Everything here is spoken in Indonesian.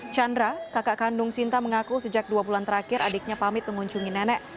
chandra kakak kandung sinta mengaku sejak dua bulan terakhir adiknya pamit mengunjungi nenek